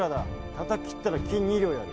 たたき斬ったら金２両やる。